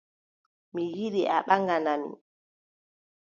Mi yiɗi a ɓaŋgana mi.